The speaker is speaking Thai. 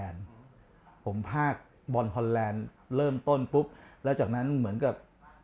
ผมพากบอลฮอนแลนด์เริ่มต้นปุ๊บแล้วจากนั้นเหมือนกับ